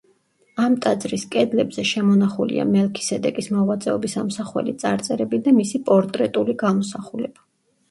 ამ ტაძრის კედლებზე შემონახულია მელქისედეკის მოღვაწეობის ამსახველი წარწერები და მისი პორტრეტული გამოსახულება.